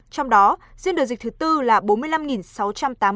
trong đó diễn đổi dịch thứ tư là bốn mươi năm sáu trăm tám mươi bốn ca